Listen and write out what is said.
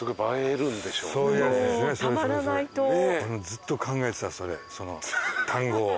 ずっと考えてたその単語を。